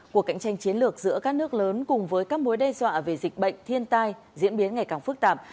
cuộc cạnh tranh chiến lược giữa các nước lớn cùng với các mối đe dọa về dịch bệnh thiên tai diễn biến ngày càng phức tạp